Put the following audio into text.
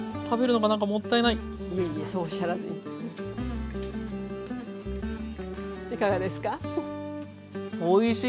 食べるのがなんかもったいない。